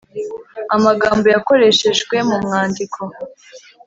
amagambo yakoreshejwe mu mwandiko